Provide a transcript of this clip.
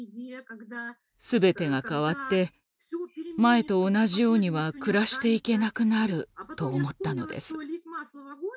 すべてが変わって前と同じようには暮らしていけなくなる」と思ったのです。